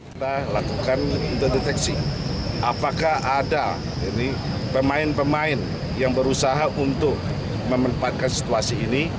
kita lakukan untuk deteksi apakah ada pemain pemain yang berusaha untuk memanfaatkan situasi ini